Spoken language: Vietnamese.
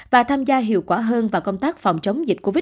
và tham gia hiệu quả hơn vào công tác phòng chống dịch covid một mươi chín